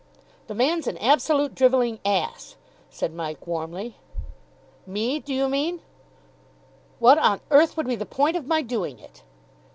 '" "The man's an absolute drivelling ass," said Mike warmly. "Me, do you mean?" "What on earth would be the point of my doing it?"